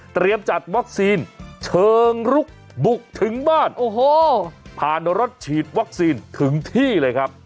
จัดวัคซีนเชิงลุกบุกถึงบ้านโอ้โหผ่านรถฉีดวัคซีนถึงที่เลยครับ